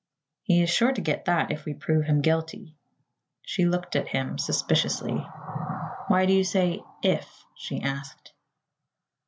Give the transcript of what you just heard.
"He is sure to get that if we prove him guilty." She looked at him suspiciously. "Why do you say 'if'?" she asked.